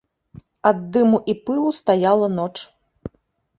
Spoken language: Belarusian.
Ад дыму і пылу стаяла ноч.